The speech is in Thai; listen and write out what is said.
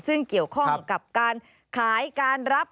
ซึ่งเกี่ยวข้องกับการขายการรับ